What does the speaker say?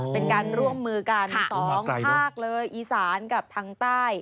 เป็นการร่วมมือกันสองภาคเลยอีสานกับทางใต้